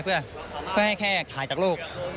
เพื่อให้แค่หายจากลูก